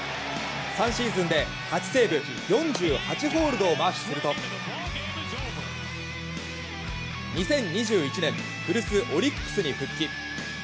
３シーズンで、８セーブ４８ホールドをマークすると２０２１年古巣オリックスに復帰。